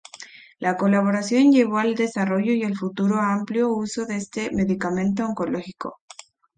La colaboración llevó al desarrollo y al futuro amplio uso de este medicamento oncológico.